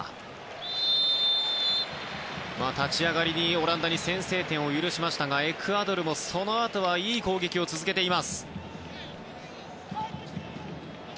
立ち上がりにオランダに先制点を許しましたがエクアドルもそのあとはいい攻撃を続けています。